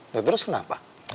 ya terus kenapa